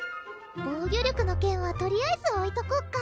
防御力の件はとりあえずおいとこっか？